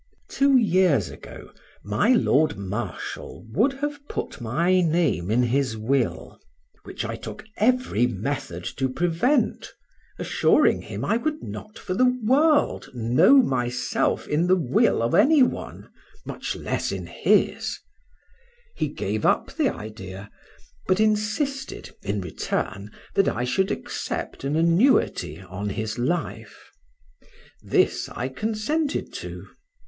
Two years ago, My Lord Marshal would have put my name in his will, which I took every method to prevent, assuring him I would not for the world know myself in the will of any one, much less in his; he gave up the idea; but insisted in return, that I should accept an annuity on his life; this I consented to.